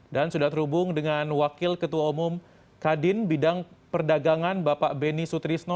dan sudah terhubung dengan wakil ketua umum kadin bidang perdagangan bapak beni sutrisno